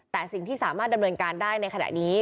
แต่สิ่งที่สามารถดำเนินการได้ในขณะนี้